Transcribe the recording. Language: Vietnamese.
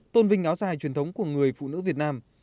tôn vinh áo dài truyền thống của người phụ nữ việt nam